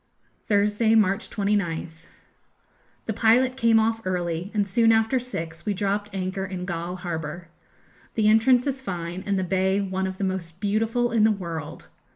Thursday, March 29th. The pilot came off early, and soon after six we dropped anchor in Galle harbour. The entrance is fine, and the bay one of the most beautiful in the world.